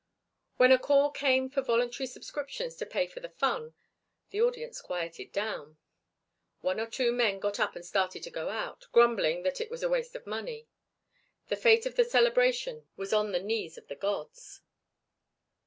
When a call came for voluntary subscriptions to pay for the fun, the audience quieted down. One or two men got up and started to go out, grumbling that it was a waste of money. The fate of the celebration was on the knees of the gods.